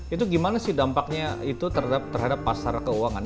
itu gimana sih dampaknya itu terhadap pasar keuangan